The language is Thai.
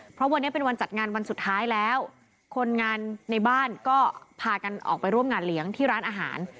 เพราะวันนี้เป็นวันจัดงานวันสุดท้ายแล้วคนงานในบ้านก็พากันออกไปร่วมงานเลี้ยงที่ร้านอาหาร